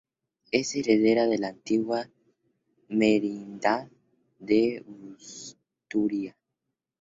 Es heredera de la antigua Merindad de Busturia.